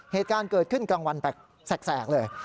เหตุการณ์เกิดขึ้นกลางวันแปลกเลย